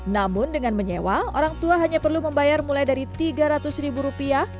namun dengan menyewa orang tua hanya perlu membayar mulai dari tiga ratus ribu rupiah